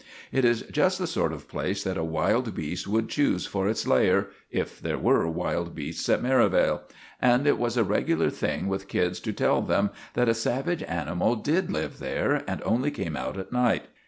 It is just the sort of place that a wild beast would choose for its lair, if there were wild beasts at Merivale, and it was a regular thing with kids to tell them that a savage animal did live there, and only came out at night.